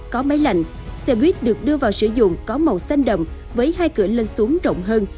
có máy lạnh xe buýt được đưa vào sử dụng có màu xanh đầm với hai cửa lên xuống rộng hơn